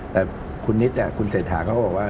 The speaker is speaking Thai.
แต่คุณนิชคุณเสร็จหาเขาบอกว่า